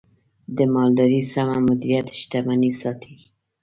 د مالدارۍ سمه مدیریت، شتمني ساتي.